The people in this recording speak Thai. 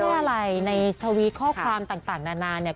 คือไม่ใช่อะไรในสวีทข้อความต่างนานาเนี่ย